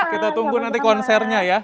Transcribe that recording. kita tunggu nanti konsernya ya